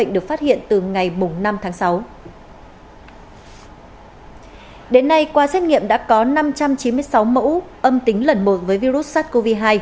đến nay qua xét nghiệm đã có năm trăm chín mươi sáu mẫu âm tính lần một với virus sars cov hai